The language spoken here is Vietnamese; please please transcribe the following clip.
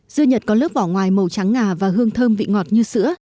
dưa nhật có lớp vỏ ngoài màu trắng ngà và hương thơm vị ngọt như sữa